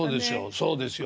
そうですよ。